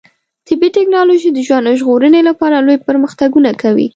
طبي ټکنالوژي د ژوند ژغورنې لپاره لوی پرمختګونه کوي.